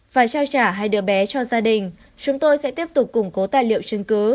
phải trao trả hay đưa bé cho gia đình chúng tôi sẽ tiếp tục củng cố tài liệu chứng cứ